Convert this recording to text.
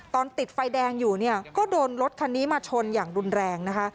ติดไฟแดงอยู่เนี่ยก็โดนรถคันนี้มาชนอย่างรุนแรงนะคะ